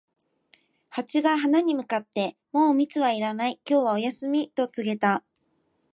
ハチが花に向かって、「もう蜜はいらない、今日はお休み」と告げた。